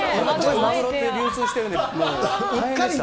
マグロって流通してるんで、うっかりね。